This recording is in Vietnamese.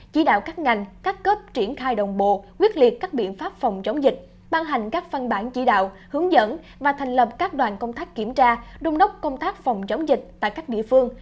chỉ đạo các ngành các cấp triển khai đồng bộ quyết liệt các biện pháp phòng chống dịch ban hành các văn bản chỉ đạo hướng dẫn và thành lập các đoàn công tác kiểm tra đông đốc công tác phòng chống dịch tại các địa phương